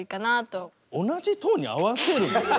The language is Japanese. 同じトーンに合わせるんですか？